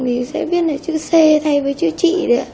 thì sẽ viết là chữ c thay với chữ chị